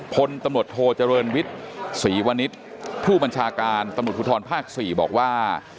พลตำรวจโทเจริญวิทย์ศรีวณิชย์ผู้บัญชาการตำรวจภูทรภาค๔บอกว่า